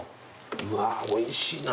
うわおいしいな。